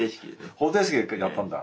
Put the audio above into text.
方程式で一回やったんだ。